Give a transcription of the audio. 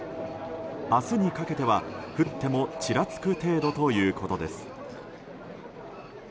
明日にかけては、降ってもちらつく程度ということです。